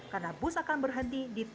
karena bus akan berhenti di tujuh halte